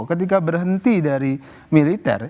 ketika berhenti dari militer